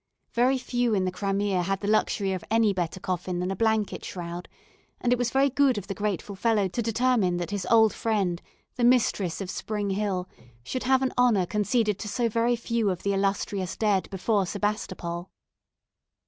Very few in the Crimea had the luxury of any better coffin than a blanket shroud, and it was very good of the grateful fellow to determine that his old friend, the mistress of Spring Hill, should have an honour conceded to so very few of the illustrious dead before Sebastopol.